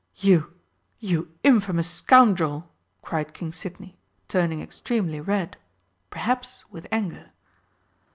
"You you infamous scoundrel!" cried King Sidney, turning extremely red, perhaps with anger.